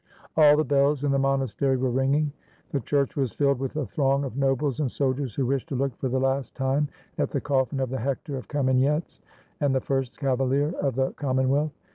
All the bells in the monastery were ringing. The 143 RUSSIA church was filled with a throng of nobles and soldiers, who wished to look for the last time at the coffin of the Hector of Kamenyetz, and the first cavalier of the Com monwealth.